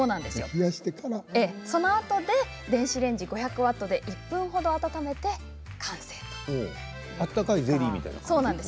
そのあとで電子レンジ５００ワットで１分ほど温めて完成です。